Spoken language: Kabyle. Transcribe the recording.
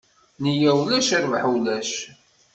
Nniya ulac, rrbaḥ ulac.